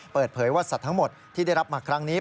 เปิดเผยว่าสัตว์ทั้งหมดที่ได้รับมาครั้งนี้